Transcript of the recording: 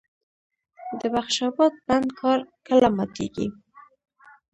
د بخش اباد بند کار کله ماتیږي؟